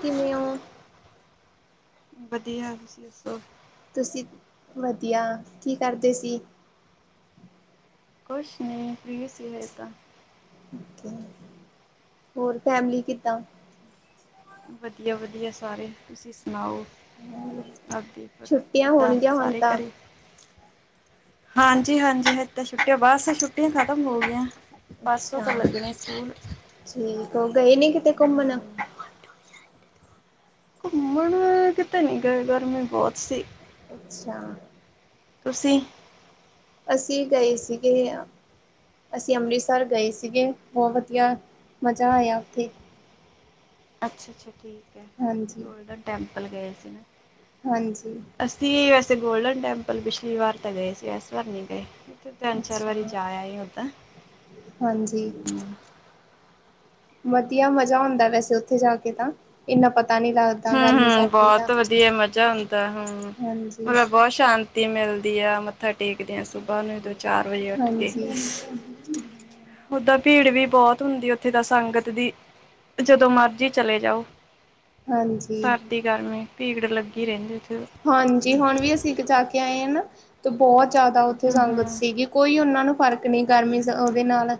ਕਿਵੇਂ ਓਂ ਵਧੀਆ ਤੁਸੀਂ ਦੱਸੋ ਤੁਸੀਂ ਵਧੀਆ ਕੀ ਕਰਦੇ ਸੀ। ਕੁਛ ਨਹੀਂ ਫ੍ਰੀ ਸੀ ਅਜੇ ਤਾ ਹੋਰ ਫੈਮਲੀ ਕਿਦਾਂ ਵਧੀਆ- ਵਧੀਆ ਸਾਰੇ ਤੁਸੀਂ ਸੁਨਾਓ ਆਦੀ ਫਿਰ ਛੁੱਟੀਆਂ ਕਿਦਾਂ ਹੋਣਗੀਆਂ ਹੁਣ ਸਾਰੇ ਤਾਂ ਘਰ ਹਾਂਜੀ -ਹਾਂਜੀ ਹੱਤ ਛੁੱਟੀਆਂ ਬਸ ਛੁਟੀਆਂ ਖਤਮ ਹੋ ਗਈਆਂ ਪਰਸੋਂ ਤੋਂ ਅੱਛਾ ਲੱਗਣੇ ਸਕੂਲ ਠੀਕ ਹੋ ਗਏ ਨੀ ਕਿਤੇ ਘੁੰਮਣ? ਹੂੰ ਘੁੰਮਣ ਕਿਤੇ ਨੀ ਗਏ ਗਰਮੀ ਬਹੁਤ ਸੀ ਅੱਛਾ ਤੁਸੀਂ ਅਸੀਂ ਗਏ ਸੀਗੇ ਹਾਂ। ਅਸੀਂ ਅੰਮ੍ਰਿਤਸਰ ਗਏ ਸੀਗੇ ਬਹੁਤ ਵਧੀਆ ਮਜ਼ਾ ਆਇਆ ਉੱਥੇ ਅੱਛਾ-ਅੱਛਾ ਠੀਕ ਹੈ ਹਾਂਜੀ ਗੋਲਡਨ ਟੈਂਪਲ ਗਏ ਸੀ। ਹਾਂਜੀ ਅਸੀਂ ਵੈਸੇ ਗੋਲਡਨ ਟੈਂਪਲ ਪਿਛਲੀ ਵਾਰ ਤਾਂ ਗਏ ਸੀ ਇਸ ਵਾਰ ਨਹੀਂ ਗਏ। ਤਿੰਨ ਚਾਰ ਵਾਰੀ ਅੱਛਾ ਜਾ ਆਏ ਹੁਣ ਤਾ ਹਾਂਜੀ ਵਧੀਆ ਮਜ਼ਾ ਹੁੰਦਾ ਵੈਸੇ ਉੱਥੇ ਜਾ ਕੇ ਤਾਂ ਇੰਨਾ ਪਤਾ ਨਹੀਂ ਲੱਗਦਾ ਗਰਮੀ ਹੂੰ-ਹੂੰ ਸਰਦੀ ਦਾ ਬਹੁਤ ਵਧੀਆ ਮਜ਼ਾ ਹੁੰਂਦਾ ਹੂੰ ਹਾਂਜੀ ਮਤਲਬ ਬਹੁਤ ਸ਼ਾਂਤ ਮਿਲਦੀ ਆ ਮੱਥਾ ਟੇਕਦਿਆਂ ਸੁਬਾਹ ਨੂੰ ਦੋਂ ਚਾਰ ਵਜੇ ਉੱਠ ਕੇ ਹਾਂਜੀ ਓਦਾਂ ਭੀੜ ਵੀ ਬਹੁਤ ਹੁੰਦੀ ਉੱਥੇ ਤਾਂ ਸੰਗਤ ਦੀ ਜਦੋਂ ਮਰਜ਼ੀ ਚਲੇ ਜਾਓ। ਹਾਂਜੀ ਸਰਦੀ ਗਰਮੀ ਭੀੜ ਲੱਗੀ ਰਹਿੰਦੀ। ਹਾਂਜੀ ਹੁਣ ਵੀ ਅਸੀਂ ਜਾ ਕੇ ਆਏ ਆ ਨਾ। ਬਹੁਤ ਜ਼ਿਆਦਾ ਉੱਥੇ ਸੰਗਤ ਹੂੰ-ਹੂੰ। ਸੀਗੀ ਕੋਈ ਉਹਨਾਂ ਨੂੰ ਫ਼ਰਕ ਨਹੀਂ ਗਰਮੀ ਉਹਦੇ ਨਾਲ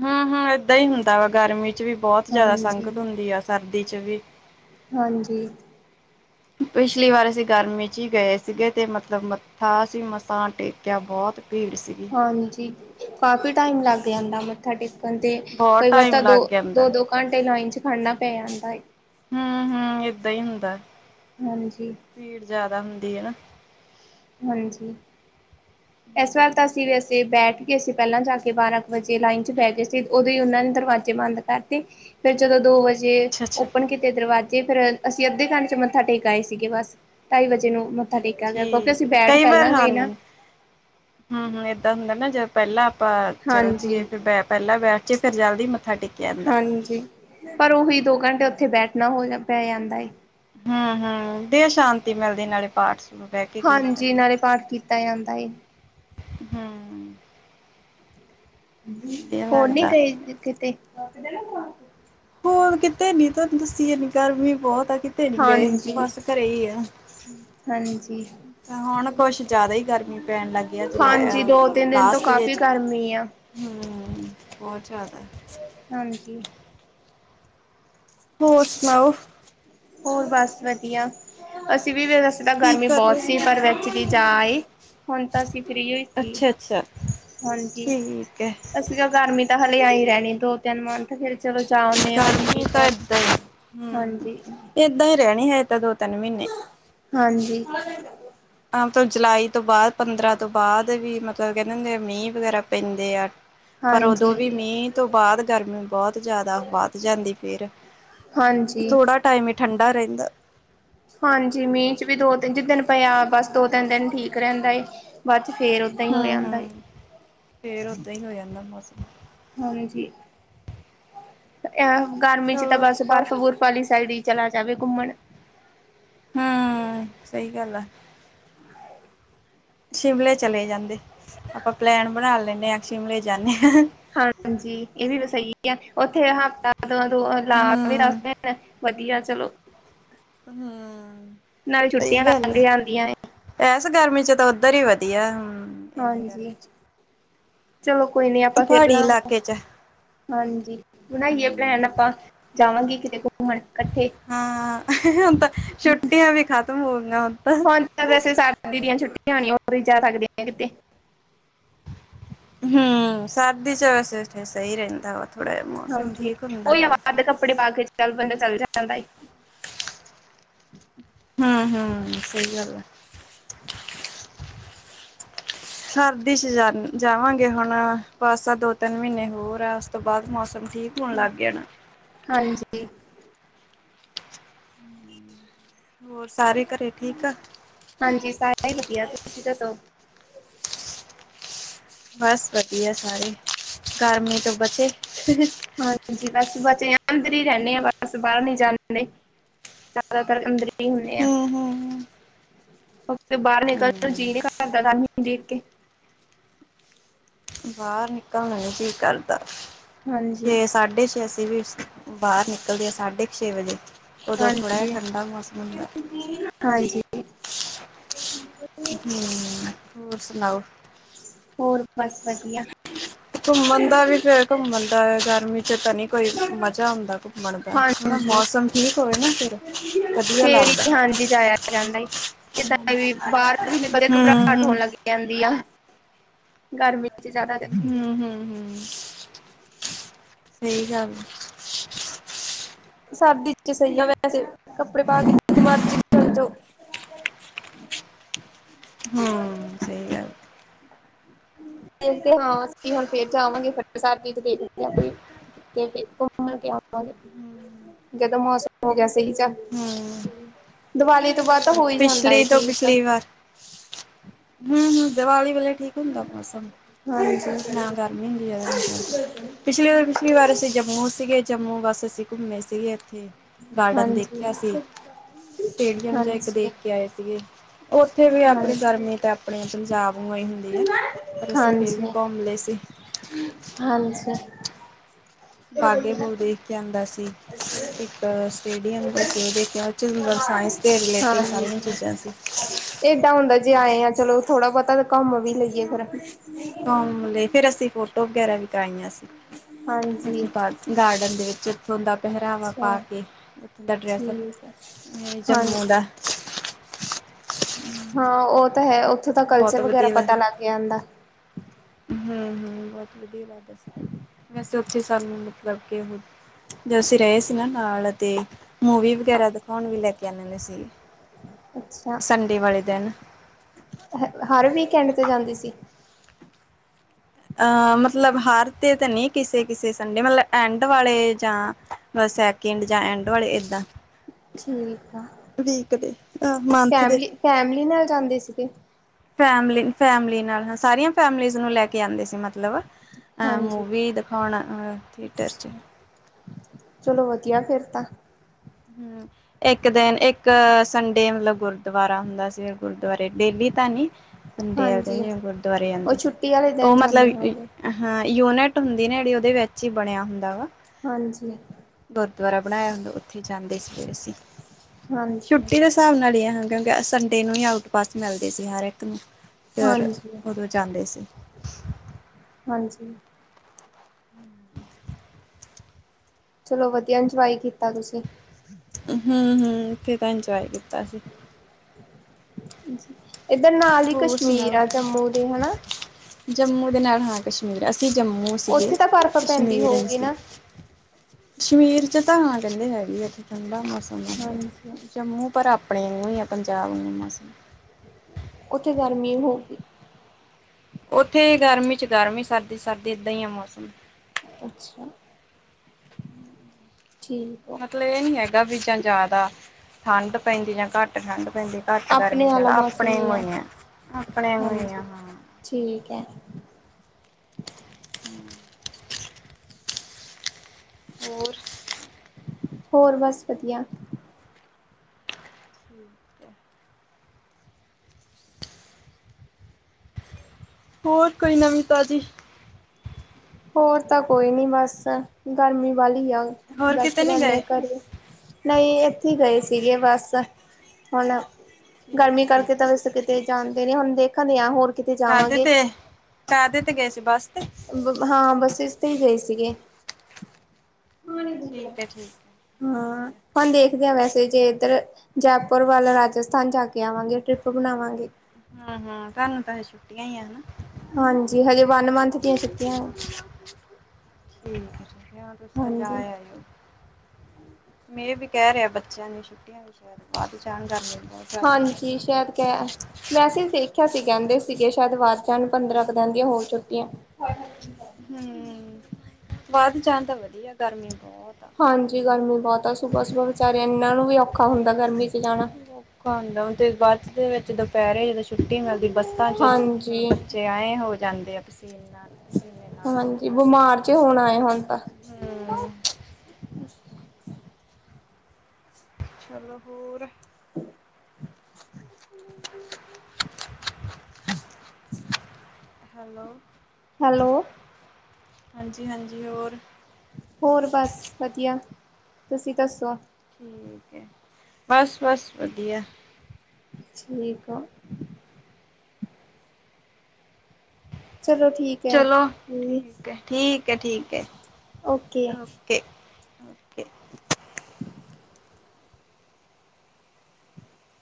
ਹੂੰ-ਹੂੰ ਏਦਾਂ ਹੀ ਹੁੰਦਾ ਵਾ ਗਰਮੀ 'ਚ ਵੀ ਬਹੁਤ ਜ਼ਿਆਦਾ ਹਾਂਜੀ ਸੰਗਤ ਹੁੰਦੀ ਆ ਸਰਦੀ 'ਚ ਵੀ ਹਾਂਜੀ ਪਿਛਲੀ ਵਾਰ ਅਸੀਂ ਗਰਮੀ 'ਚ ਹੀ ਗਏ ਸੀਗੇ ਤੇ ਮਤਲਬ ਮੱਥਾ ਅਸੀਂ ਮਸਾ ਟੇਕਿਆ ਬਹੁਤ ਭੀੜ ਸੀਗੀ। ਹਾਂਜੀ ਕਾਫੀ ਟਾਈਮ ਲੱਗ ਜਾਂਦਾ ਮੱਥਾ ਟੇਕਣ ਤੇ ਬਹੁਤ ਕਈ ਵਾਰ ਟਾਈਮ ਤਾਂ ਲੱਗ ਜਾਂਦਾ ਦੋ-ਦੋ- ਦੋ ਘੰਟੇ ਲਾਈਨ 'ਚ ਖੜਨਾ ਪੈ ਜਾਂਦਾ। ਹੂੰ-ਹੂੰ ਏਦਾਂ ਹੀ ਹੁੰਦਾ ਹਾਂਜੀ ਭੀੜ ਜਿਆਦਾ ਹੁੰਦੀ। ਦੀ ਹੈ ਨਾ। ਹਾਂਜੀ ਇਸ ਵਾਰ ਤਾਂ ਅਸੀਂ ਵੀ ਤੇ ਬੈਠ ਕੇ ਅਸੀਂ ਪਹਿਲਾਂ ਜਾ ਕੇ ਬਾਰਾਂ ਕੁ ਵਜੇ ਲਾਈਨ 'ਚ ਬਹਿ ਗਏ ਸੀ ਉਦੋਂ ਹੀ ਉਹਨਾਂ ਨੇ ਦਰਵਾਜ਼ੇ ਬੰਦ ਕਰਤੇ। ਫੇਰ ਜਦੋਂ ਦੋ ਵਜੇ ਅੱਛਾ-ਅੱਛਾ ਓਪਨ ਕੀਤੇ ਦਰਵਾਜ਼ੇ ਜੇ ਫੇਰ ਅਸੀਂ ਅੱਧੇ ਘੰਟ 'ਚ ਮੱਥਾ ਟੇਕ ਆਏ ਸੀਗੇ ਬਸ ਢਾਈ ਵਜੇ ਨੂੰ ਮੱਥਾ ਟੇਕਿਆ ਗਿਆ ਕਿਉਂਕਿ ਅਸੀਂ ਠੀਕ ਹੈ ਬੈਠ ਕਈ ਵਾਰ ਪਹਿਲਾਂ ਗਏ ਹਨ ਨਾ। ਹੂੰ-ਹੂੰ ਏਦਾਂ ਹੁੰਦਾ ਨਾ ਜਦੋਂ ਪਹਿਲਾਂ ਆਪਾਂ ਚਲੋ ਹਾਂਜੀ ਜੀਏ ਫਿਰ ਬ ਪਹਿਲਾਂ ਬੈਠੇ ਫਿਰ ਜਲਦੀ ਹੀ ਮੱਥਾ ਟੇਕਿਆ ਜਾਂਦਾ। ਹਾਂਜੀ ਪਰ ਉਹੀ ਦੋ ਘੰਟੇ ਉੱਥੇ ਬੈਠਣਾ ਹੋ ਪੈ ਜਾਂਦਾ ਏ। ਹੂੰ-ਹੂੰ ਦੇਹ ਸ਼ਾਂਤੀ ਮਿਲਦੀ ਨਾਲੇ ਪਾਠ ਬਹਿ ਕੇ ਕੀਰਤਨ ਹਾਂਜੀ ਨਾਲੇ ਪਾਠ ਕੀਤਾ ਜਾਂਦਾ ਏ। ਹੂੰ। ਵਧੀਆ ਹੋਰ ਨੀ ਲੱਗਦਾ ਗਏ ਕਿਤੇ। ਫੋਨ ਕਿਤੇ ਨੀ ਤੁਹਾਨੂੰ ਦੱਸੀਏ ਨੀ ਗਰਮੀ ਵੀ ਬਹੁਤ। ਕਿਤੇ ਨੀ ਗਏ ਹਾਂਜੀ ਬਸ ਘਰੇ ਹੀ ਆ। ਹਾਂਜੀ। ਹੁਣ ਕੁਛ ਜ਼ਿਆਦਾ ਹੀ ਗਰਮੀ ਪੈਣ ਲੱਗਿਆ ਜੁਲਾ ਹਾਂਜੀ ਦੋ ਤਿੰਨ ਦਿਨ ਤੋਂ ਲਾਸਟ ਜੇ ਕਾਫ਼ੀ ਚ। ਗਰਮੀ ਆ ਹੂੰ ਬਹੁਤ ਜ਼ਿਆਦਾ। ਹਾਂਜੀ। ਹੋਰ ਸੁਣਾਓ। ਹੋਰ ਬਸ ਵਧੀਆ ਅਸੀਂ ਵੀ ਅਸੇ ਤਾਂ ਕੀ ਗਰਮੀ ਕਰ ਬਹੁਤ ਰਹੇ ਸੀ ਪਰ ਵਿੱਚ ਵੀ ਜਾ ਈ। ਹੁਣ ਤਾਂ ਅਸੀਂ ਫ੍ਰੀ ਹੋਈ ਸੀ ਅੱਛਾ-ਅੱਛਾ ਹਾਂਜੀ ਠੀਕ ਹੈ ਅਸੀਂ ਗਰਮੀ। ਤਾਂ ਹਾਲੇ ਆਈ ਰਹਿਣੀ ਦੋ ਤਿੰਨ ਮੰਥ ਫਿਰ ਚਲੋ ਜਾ ਆਉਦੇਂ ਗਰਮੀ ਇਕ ਤਾਂ ਵਾਰ ਏਦਾਂ ਹੀ ਹੂੰ ਹਾਂਜੀ। ਏਦਾਂ ਹੀ ਰਹਿਣੀ ਹੈ ਤਾਂ ਦੋ ਤਿੰਨ ਮਹੀਨੇ। ਹਾਂਜੀ ਬ ਜੁਲਾਈ ਤੋਂ ਬਾਅਦ ਪੰਦਰਾਂ ਤੋਂ ਬਾਅਦ ਵੀ ਮਤਲਬ ਕਹਿੰਦੇ ਹੁੰਦੇ ਆ ਮੀਂਹ ਵਗੈਰਾ ਪੈਂਦੇ ਆ। ਪਰ ਉਦੋਂ ਵੀ ਹਾਂਜੀ, ਮੀਂਹ ਤੋਂ ਬਾਅਦ ਗਰਮੀ ਬਹੁਤ ਜ਼ਿਆਦਾ ਵੱਧ ਜਾਂਦੀ ਫਿਰ। ਹਾਂਜੀ। ਥੋੜਾ ਟਾਈਮ ਹੀ ਠੰਡਾ ਰਹਿੰਦਾ। ਹਾਂਜੀ ਮੀਂਹ ਚ ਵੀ ਦੋ ਤਿੰਨ ਜਿਸ ਦਿਨ ਪਿਆ ਬਸ ਦੋ ਤਿੰਨ ਦਿਨ ਠੀਕ ਰਹਿੰਦਾ ਏ ਬਸ। ਹਮ ਹਮ ਫੇਰ ਓਦਾਂ ਹੀ ਹੋ ਜਾਂਦਾ ਮੌਸਮ। ਹਾਂਜੀ ਅ ਗਰਮੀ ਚ ਤਾਂ ਚਲੋ ਬਸ ਬਰਫ਼ ਬਰਫ ਵਾਲੀ ਸਾਈਡ ਹੀ ਚਲਾ ਜਾਵੇ ਘੁੰਮਣ। ਹਮ ਸਹੀ ਗੱਲ ਆ। ਸ਼ਿਮਲੇ ਚਲੇ ਜਾਂਦੇ ਆਪਾਂ ਪਲੈਨ ਬਣਾ ਲੈਂਦੇੇ ਹਾਂ ਸ਼ਿਮਲੇ ਜਾਂਦੇ ਹਾਂ। ਹਾਂਜੀ ਇਹ ਵੀ ਸਹੀ ਆ ਉੱਥੇ ਹਫ਼ਤਾ ਤੋਂ ਦ ਲਾ ਵੀ ਦਸ ਹੂੰ ਦਿਨ। ਵਧੀਆ ਚਲੋ। ਹਾਂ। ਨਾਲ ਛੁੱਟੀਆਂ ਲੰਘ ਜਾਂਦੀਆਂ ਨੇ। ਬ ਗਰਮੀ ਚ ਤਾਂ ਉੱਧਰ ਹੀ ਵਧੀਆ ਹ। ਹਾਂਜੀ। ਚਲੋ ਕੋਈ ਨੀ ਆਪਾਂ ਫੇਰ ਪਹਾੜੀ ਬਣਾਵਗੇੰ। ਇਲਾਕੇ ਚ ਹਾਂਜੀ ਬਣਾਈਏ ਭਲੈਣ ਹੂੰ ਆਪਾਂ ਜਾਵਾਂਗੇ ਕਿਤੇ। ਘੁੰਮਣ ਇਕੱਠੇ ਹਾਂ ਹੁਣ ਤਾਂ ਛੁੱਟੀਆਂ ਵੀ ਖਤਮ ਹੋ ਗਈਆਂ ਹ। ਹੁਣ ਤਾਂ ਵੈਸੇ ਸਰਦੀ ਦੀਆਂ ਛੁੱਟੀਆਂ ਹੋਣੀਆ ਉਦੋ ਹੀ ਜਾ ਸਕਦੇ ਹਮ ਸਰਦੀ ਚ ਵੈਸੇ ਸਹੀ ਰਹਿੰਦਾ ਵ। ਹਾਂਜੀ ਉਹੀ ਆਵਾਜ਼ ਕੱਪੜੇ ਪਾ ਕੇ ਚੱਲ ਬੰਦਾ ਚੱਲ ਜਾਣ ਦਾ। ਹਮ ਹਮ ਸਹੀ ਗੱਲ ਆ। ਸਰਦੀ ਚ ਜਾ ਜਾਵਾਂਗੇ ਹੁਣ ਬਸ ਤਾਂ ਦੋ ਤਿੰਨ ਮਹੀਨੇ ਹੋਰ ਆ। ਤੋਂ ਬਾਅਦ ਮੌਸਮ ਠੀਕ ਹੋਣ ਲੱਗ ਜਾਣਾ। ਹਾਂਜੀ ਹੋਰ ਸਾਰੇ। ਘਰੇ ਠੀਕ ਆ ਹਾਂਜੀ ਸਾਰਾ ਹੀ ਵਧੀਆ ਤੁਸੀਂ ਦੱਸੋ। ਬਸ ਵਧੀਆ ਸਾਰੇ ਗਰਮੀ ਤੋਂ ਬਚੇ। ਹਾਂਜੀ ਬਸ ਬੱਚੇ ਅੰਦਰ ਹੀ ਰਹਿੰਦੇ ਆ ਬ ਬਸ ਬਾਹਰ ਨੀ ਜਾਣਦੇ। ਜ਼ਿਆਦਾਤਰ ਅੰਦਰ ਹੁੰਦੇ ਹ। ਹੂੰ-ਹੂੰ। ਓ ਬਾਹਰ ਨਿਕਲਣ ਜੀਅ ਨ ਕਰਦਾ ਦੇਖ ਕੇ। ਬਾਹਰ ਨਿਕਲਣ ਨੀ ਕੀ ਕਰਦਾ ਹਾਂਜੀ। ਛੇ ਸਾਢੇ ਛੇ। ਵੀ ਬਾਹਰ ਨਿਕਲਦੇ ਆ ਸਾਢੇ ਕੁ ਛੇ ਵਜੇ। ਉਦੋਂ ਥੋੜ੍ਹਾ ਜਿਹਾ ਹਾਂਜੀ, ਠੰਢਾ ਮੌਸਮ ਹੁੰਦਾ। ਹਾਂਜੀ ਹਮ ਹੋਰ ਸੁਣਾਓ। ਹੋਰ ਬਸ ਵਧੀਆ ਘੁੰਮਣ ਦਾ ਵੀ ਫਿਰ ਘੁੰਮਣ ਦਾ ਗਰਮੀ ਚ ਤਾਂ ਨਹੀਂ ਕੋਈ ਮਜ਼ਾ ਆਉਦਾ ਬਣਦਾ ਹੁਣ ਹਾਂਜੀ। ਮੌਸਮ ਠੀਕ ਹੋਵੇ ਫਿਰ ਵਧੀਆ ਫੇਰ ਲੱਗਦਾ। ਹੀ ਹਾਂਜੀ ਜਾਇਆ ਜਾਂਦਾ ਏਦਾਂ ਵੀ ਬਾਹਰ ਵੀ ਨਿਕਲਦੇ ਘਬਰਾਹਟ ਹੂੰ-ਹੂੰ, ਹੋਣ ਲੱਗ ਜਾਂਦੀ ਆ ਗਰਮੀ ਚ ਜ਼ਿਆਦਾ ਤੇ ਹਮ ਹਮ ਹਮ ਸਹੀ ਗੱਲ ਆ ਸਰਦੀ ਚ ਸਹੀ ਆ ਵੈਸੇ ਕੱਪੜੇ ਪਾ ਕੇ ਮਰਜ਼ੀ ਚ ਜਾਓ [inaudible] ਹਮ ਸਹੀ ਗੱਲ ਦੇਖਦੇ ਹਾਂ ਅਸੀਂ ਹੁਣ ਫੇਰ ਜਾ ਆਵਾਂਗੇ ਫ ਸਾਰ ਚੀਜ਼ ਦੇਖਦੇ ਆ ਕੋਈ ਕਿ ਆਗੇ ਜਦੋਂ ਮੌਸਮ ਹੋ ਗਿਆ ਸਹੀ ਚ ਹੂੰ। ਦੀਵਾਲੀ ਤੋਂ ਬਾਅਦ ਤਾਂ ਹੋਈ ਜਾਂਦਾ ਪਿਛਲੀ ਏ ਤੋਂ ਠੀਕ ਆ ਪਿਛਲੀ ਵਾਰ ਉਸ ਵੇਲੇ ਠੀਕ ਹੁੰਦਾ ਮੌਸਮ ਹਾਂਜੀ। ਨਾ ਗਰਮੀ ਹੁੰਦੀ ਜਿਆਦਾ ਨਹੀਂ ਕਰਦੀ ਪਿਛਲੀ ਵਾਰ ਪਿਛਲੀ ਵਾਰ ਅਸੀਂ ਜੰਮੂ ਸੀਗੇ ਜੰਮੂ ਬਸ ਅਸੀਂ ਘੁੰਮੇ ਸੀਗੇ ਇੱਥੇ ਗਾਰਡਨ ਹਾਂਜੀ, ਦੇਖਿਆ ਸੀ ਸਟੇਡੀਅਮ ਜਾਂ ਹਾਂਜੀ, ਦੇਖ ਕੇ ਆਏ ਸੀਗੇ ਉੱਥੇ ਵੀ ਆਪਣੀ ਹਾਂਜੀ, ਹਾਂਜੀ। ਗਰਮੀ ਤੇ ਆਪਣੇ ਪੰਜਾਬ ਉ ਹੀ ਹੁੰਦੀ ਆ ਪਰ ਅਸੀਂ ਫੇਰ ਵੀ ਘੁੰਮ ਲਏ ਸੀ। ਹਾਂਜੀ ਬਾਗੇ ਬਹੁ ਦੇਖ ਕੇ ਆਉਂਦਾ ਸੀ। [inaudible] ਇੱਕ ਸਟੇਡੀਅਮ ਸੀ ਉਹ ਦੇਖਿਆ ਉਹ 'ਚ ਮਤਲਬ ਸਾਇੰਸ ਦੇ ਰਿਲੇਟਿਡ ਸਾਰੀਆਂ ਚੀਜ਼ਾਂ ਸੀ। ਏਡਾ ਹੁੰਦਾ ਜੇ ਆਏ ਆ ਚਲੋ ਥੋੜ੍ਹਾ ਬਹੁਤਾ ਘੁੰਮ ਵੀ ਲਈਏ ਫਿਰ ਘੁੰਮ ਲ ਫੇਰ ਅਸੀਂ ਫੋਟੋ ਵਗੈਰਾ ਕਰਾਇਆ ਹਾਂਜੀ। ਇੱਥੇ ਗਾਰਡਨ ਦੇ ਵਿੱਚ ਇੱਥੋਂ ਦਾ ਪਹਿਰਾਵਾ ਅੱਛਾ ਪਾ ਕੇ ਉੱਥੋਂ ਦਾ ਡਰੈਸ ਠੀਕ ਆ ਜੰਮੂ ਹਾਂਜੀ। ਦਾ। ਹਾਂ ਉਹ ਤਾਂ ਹੈ ਉੱਥੋਂ ਦਾ ਬਹੁਤ ਕਲਚਰ ਵਗੈਰਾ ਪਤਾ ਲੱਗ ਜਿਆਦਾ। ਹੂੰ ਹੂੰ ਬਹੁਤ ਵਧੀਆ ਵੈਦਰ ਸੀ, ਵੈਸੇ ਉਥੇ ਸਾਨੂੰ ਮਤਲਬ ਕਿ ਜਦੋ ਅਸੀਂ ਰਹੇ ਸੀ ਨਾ ਨਾਲ ਤੇ, ਮੂਵੀ ਵਗੈਰਾ ਦਿਖਾਉਣ ਵੀ ਲੈ ਕੇ ਆਦੇ ਸੀ। ਸੰਡੇ ਵਾਲੇ ਦਿਨ ਹ ਹਰ ਵੀਕਐਂਡ ਤੇ ਜਾਂਦੀ ਸੀ। ਅਹ ਮਤਲਬ ਹਾਰ ਤੇ ਤਾਂ ਨਹੀਂ ਕਿਸੇ ਕਿਸੇ ਸੰਡੇ ਮਤਲਬ ਐਂਡ ਵਾਲੇ ਜਾਂ ਫਸਟ, ਸੈਕਿੰਡ ਜਾਂ ਐਂਡ ਵਾਲੇ ਏਦਾਂ। ਠੀਕ ਆ ਵੀਕ ਦੇ ਮੰਥ ਦੇ ਫੈਮਲੀ, ਫੈਮਲੀ ਨਾਲ ਜਾਂਦੇ ਸੀਗੇ। ਫੈਮਲੀ ਫੈਮਲੀ ਨਾਲ ਸਾਰੀਆਂ ਫੈਮਲੀਜ਼ ਨੂੰ ਲੈ ਕੇ ਆਉਂਦੇ ਸੀ ਮਤਲਬ ਮਤਲਬ, ਅ ਹਾਂਜੀ। ਮੂਵੀ ਦੀਖਾੳਣ ਅ ਥਿਏਟਰ ਚ। ਅੱਛਾ ਚਲੋ ਵਧੀਆ ਫਿਰ ਤਾਂ। ਹੂੰ ਇੱਕ ਦਿਨ ਇੱਕ ਸੰਡੇ ਮਤਲਬ ਗੁਰਦੁਆਰਾ ਹੁੰਦਾ ਸੀ। ਗੁਰਦੁਆਰੇ ਡੇਲੀ ਤਾਂ ਨੀ ਸਂਡੇ ਵਾਲੇ ਹਾਂਜੀ। ਦਿਨ ਗੁਰਦੁਆਰੇ ਉਹ ਜਾਂਦੇ ਸੀ। ਛੁੱਟੀ ਵਾਲੇ ਦਿਨ ਉਹ ਜਾਂਦੇ ਮਤਲਬ ਹੋਣਗੇ ਹਾਂ ਯੂਨਿਟ ਹੁੰਦੀ ਨਾ ਜਿਹੜੀ ਉਹਦੇ ਵਿੱਚ ਹੀ ਬਣਿਆ ਹੁੰਦਾ ਵਾ। ਹਾਂਜੀ ਗੁਰੂਦੁਆਰਾ ਬਣਾਇਆ ਹੁੰਦਾ ਉੱਥੇ ਜਾਂਦੇ ਸੀਗੇ ਅਸੀਂ, ਹਾਂਜੀ ਛੁੱਟੀ ਦੇ ਹਿਸਾਬ ਨਾਲ ਹੀ ਹ ਕਿਉਂਕਿ ਸੰਡੇ ਨੂੰ ਹੀ ਆਊਟ ਪਾਸ ਮਿਲਦੇ ਸੀ ਹਰ ਇੱਕ ਨੂੰ। ਫਿਰ ਹਾਂਜੀ ਉਦੋਂ ਜਾਂਦੇ ਸੀ। ਹਾਂਜੀ। ਚਲੋ ਵਧੀਆ ਇਨਜੌਏ ਕੀਤਾ ਤੁਸੀਂ। ਹੂੰ ਹੂੰ ਕੀਤਾ ਇੰਜੋਏ ਕੀਤਾ ਸੀ। ਏਧਰ ਨਾਲ ਹੀ ਹੋਰ ਕਸ਼ਮੀਰ ਸੁਣਾਓ? ਆ ਜੰਮੂ ਦੇ ਹਨਾ। ਜੰਮੂ ਦੇ ਨਾਲ ਹਾਂ ਕਸ਼ਮੀਰ ਅਸੀਂ ਜੰਮੂ ਸੀਗੇ ਉੱਥੇ ਤਾਂ ਬਰਫ਼ ਪੈਂਦੀ ਕਸ਼ਮੀਰ ਨੀ ਹੋਊਗੀ ਸੀ। ਨਾ ਕਸ਼ਮੀਰ ਚ ਤਾਂ ਹਾਂ ਕਹਿੰਦੇ ਹੈਗੀ ਉਥੇ ਠੰਢਾ ਮੌਸਮ ਆ, ਹਾਂਜੀ ਜੰਮੂ ਪਰ ਆਪਣੇ [unintelligible] ਪੰਜਾਬ ਦੀਆਂ ਮੌਸਮ [unintelligible] ਉੱਥੇ ਗਰਮੀ ਹੋਗੀ ਉੱਥੇ ਗਰਮੀ ਚ ਗਰਮੀ ਸਰਦੀ ਸਰਦੀ ਏਦਾਂ ਈ ਆ ਮੌਸਮ। ਅੱਛਾ, ਠੀਕ ਆ ਮਤਲਬ ਇਹ ਨੀ ਹੈਗਾ ਵੀ ਜਾਂ ਜ਼ਿਆਦਾ ਠੰਡ ਪੈਂਦੀ ਜਾਂ ਘੱਟ ਠੰਡ ਪੈਂਦੀ ਘੱਟ ਆਪਣੇ ਵਾਲਾ ਮੌਸਮ ਆਪਣੇ ਹੀ ਵਾਂਗੂ ਆ ਹੀ ਆ ਹਾਂਜੀ ਹਾਂ। ਠੀਕ ਹੈ ਹੋਰ ਹੋਰ ਬਸ ਵਧੀਆ। ਹੋਰ ਕੋਈ ਨਵੀਂ ਤਾਜ਼ੀ। ਹੋਰ ਤਾਂ ਕੋਈ ਨੀ ਬਸ ਗਰਮੀ ਵਾਲੀ ਆ। ਹੋਰ ਕਿਤੇ ਬੈਠੇ ਨੀ ਰਹਿਣੇ ਆ ਗਏ? ਘਰੇ। ਨਹੀਂ ਇੱਥੇ ਹੀ ਗਏ ਸੀਗੇ ਬਸ, ਹੁਣ ਠੀਕ ਗਰਮੀ ਹੈ ਕਰਕੇ ਠੀਕ ਹੈ ਤਾਂ ਵੈਸੇ ਕਿਤੇ ਜਾਂਦੇ ਨੀ ਹੁਣ ਦੇਖਦੇ ਆਂ ਹੋਰ ਕਿਤੇ ਕਾਹਦੇ ਜਾਵਾਂਗੇ। ਤੇ ਕਾਹਦੇ ਤੇ ਗਏ ਸੀ ਬਸ ਬ ਹਾਂ ਬੱਸਿਜ ਤੇ ਹੀ ਗਏ ਸੀਗੇ। ਠੀਕ ਐ ਠੀਕ ਐ। ਹਾਂ ਹੁਣ ਦੇਖਦੇ ਆ ਵੈਸੇ ਜੇ ਇੱਧਰ ਜੈਪੁਰ ਵੱਲ ਰਾਜਸਥਾਨ ਜਾ ਕੇ ਆਵਾਂਗੇ ਟ੍ਰਿਪ ਬਣਾਵਾਂਗੇ । ਹਾਂ ਹਾਂ ਤੁਹਾਨੂੰ [inaudible] ਠੀਕ ਏ ਹਾਂਜੀ ਹਜੇ ਵਨ ਮੰਥ ਦੀਆਂ ਛੁੱਟੀਆਂ ਨੇ ਹਾਂਜੀ। ਮੇ ਵੀ ਕਹਿ ਰਿਹਾ ਬੱਚਿਆਂ ਨੂੰ ਛੁੱਟੀਆਂ ਵੀ ਸ਼ਾਇਦ ਵੱਧ ਜਾਣ [unintelligible] ਹਾਂਜੀ, ਸ਼ਾਇਦ ਕਹਿ ਮੈਸੇਜ ਦੇਖਿਆ ਸੀ ਕਹਿੰਦੇ ਸੀਗੇ ਸ਼ਾਇਦ ਵੱਧ ਜਾਣ ਪੰਦਰਾਂ ਕ ਦਿਨਾਂ ਦੀਆਂ ਹੋਰ ਛੁੱਟੀਆਂ। ਹੂੰ, ਵੱਧ ਜਾਣ ਤਾਂ ਵਧੀਆ ਗੱਲ ਏ। ਹਾਂਜੀ, ਗਰਮੀ ਬਹੁਤ ਆ ਸੁਬਾ-ਸੁਬਾ ਵਿਚਾਰੇ ਇਹਨਾਂ ਨੂੰ ਵੀ ਹੁੰਦਾ ਗਰਮੀ ਚ ਜਾਣਾ। ਔਖਾ ਹੁੰਦਾ ਓਹ ਤੇ ਬਾਅਦ ਦੇ ਵਿੱਚ ਦੁਪਹਿਰੇ ਜਦੋਂ ਛੁੱਟੀ ਮਿਲਦੀ ਬੱਸਾਂ ਚ ਹਾਂਜੀ ਬੱਚੇ ਐ ਹੋ ਜਾਂਦੇ ਆ [unintelligible] ਪਸੀਨੇ ਨਾਲ ਐਨੀ ਹਾਂਜੀ ਗਰਮੀ ਬਿਮਾਰ ਜੇ ਹੋਣ ਆਏ ਹੁਣ ਤਾਂ ਹਮ ਚਲੋ ਹੋਰ [inaudible] [inaudible] ਹੈਲੋ। ਹੈਲੋ। ਹਾਂਜੀ-ਹਾਂਜੀ ਹੋਰ ਹੋਰ ਬਸ ਵਧੀਆ ਤੁਸੀਂ ਦੱਸੋ। ਠੀਕ ਏ, ਬਸ-ਬਸ ਵਧੀਆ। ਠੀਕ ਆ। ਚਲੋ ਠੀਕ ਹੈ ਚਲੋ ਹੂੰ ਠੀਕ ਹੈ ਠੀਕ ਹੈ ਠੀਕ ਹੈ ਓਕੇ। ਕੇ।